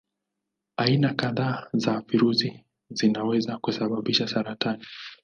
Aina kadhaa za virusi zinaweza kusababisha saratani.